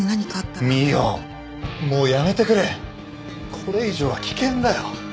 これ以上は危険だよ。